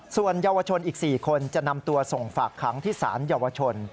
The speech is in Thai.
ส่วนเยาวชนอีก๔คนจะนำตัวส่งฝากขังที่ศาลเยาวชน